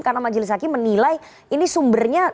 karena majelis hakim menilai ini sumbernya